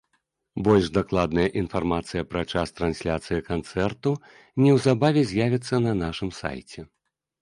Больш дакладная інфармацыя пра час трансляцыі канцэрту неўзабаве з'явіцца на нашым сайце.